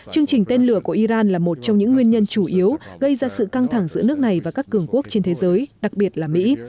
chương trình tên lửa của iran là một trong những nguyên nhân chủ yếu gây ra sự căng thẳng giữa nước này và các cường quốc trên thế giới đặc biệt là mỹ